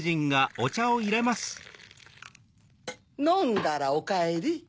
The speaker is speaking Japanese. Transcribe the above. のんだらおかえり。